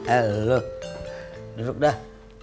eh lu duduk dah